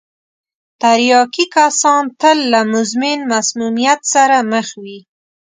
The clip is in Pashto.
تریاکي کسان تل له مزمن مسمومیت سره مخ وي.